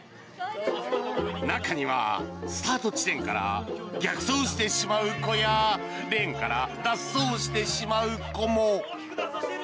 中にはスタート地点から逆走してしまう子やレーンから脱走してしまう子も。